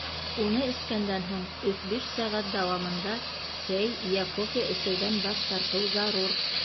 Уны эскәндән һуң өс-биш сәғәт дауамында сәй йә кофе эсеүҙән баш тартыу зарур.